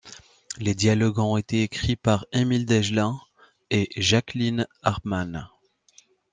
Les dialogues ont été écrits par Emile Degelin et Jacqueline Harpman.